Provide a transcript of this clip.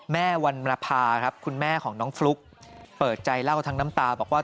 แม่วันมรภาครับคุณแม่ของน้องฟลุ๊กเปิดใจเล่าทั้งน้ำตาบอกว่า